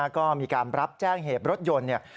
ก็มีการรับแจ้งเหตุรถยนต์